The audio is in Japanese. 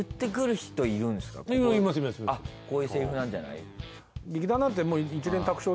こういうセリフなんじゃない？